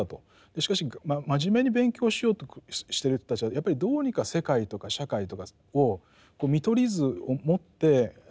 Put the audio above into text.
しかし真面目に勉強しようとしてる人たちはやっぱりどうにか世界とか社会とかを見取り図をもって理解したいという気持ちがあった。